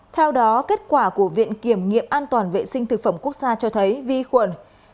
theo đó kết quả của viện kiểm nghiệm an toàn vệ sinh thực phẩm quốc gia cho thấy vi khuẩn